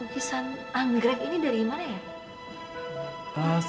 lukisan anggrek ini dari mana ya